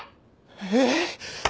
えっ！？